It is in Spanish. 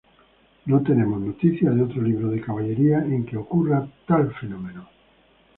No tenemos noticia de otro libro de caballerías en que ocurra tal fenómeno.